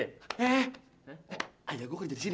eh ayah gua kerja di sini